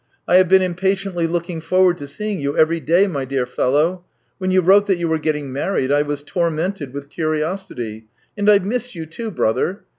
" I have been impatiently looking forward to seeing you every day, my dear fellow. When you wrote that you were getting married, I was tor mented with curiosity, and I've missed you, too, brother.